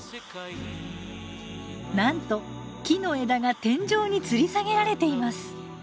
なんと木の枝が天井につり下げられています。